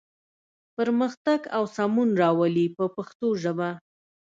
پرمختګ او سمون راولي په پښتو ژبه.